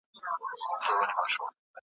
کشپ غوښتل جواب ورکړي په ښکنځلو `